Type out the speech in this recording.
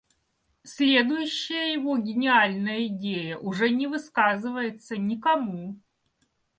Следующая его гениальная идея уже не высказывается никому.